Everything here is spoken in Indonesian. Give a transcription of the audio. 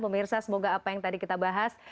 pemirsa semoga apa yang tadi kita bahas